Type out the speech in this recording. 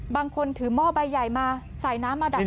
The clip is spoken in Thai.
บางคนถือหม้อใบใหญ่มาใส่น้ำมาดับ